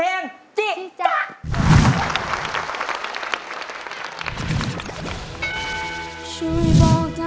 ขอบคุณครับ